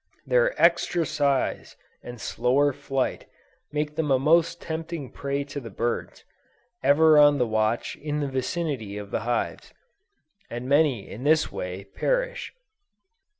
Their extra size and slower flight make them a most tempting prey to the birds, ever on the watch in the vicinity of the hives; and many in this way, perish.